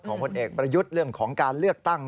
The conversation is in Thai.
ผลเอกประยุทธ์เรื่องของการเลือกตั้ง